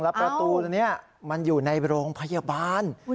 แล้วประตูนี้มันอยู่ในโรงพยาบาล